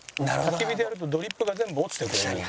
たき火でやるとドリップが全部落ちてここに。